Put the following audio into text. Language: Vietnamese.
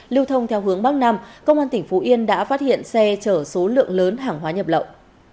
lưu thông theo hướng bắc nam công an tỉnh phú yên đã phát hiện xe chở số lượng lớn hàng hóa nhập lậu